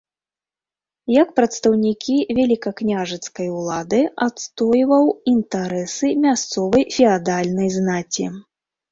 Як прадстаўнікі велікакняжацкай улады адстойваў інтарэсы мясцовай феадальнай знаці.